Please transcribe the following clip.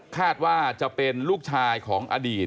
คาดว่าจะเป็นลูกชายของอดีต